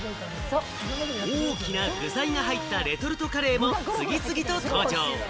大きな具材が入ったレトルトカレーも次々と登場。